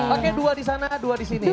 pakai dua di sana dua di sini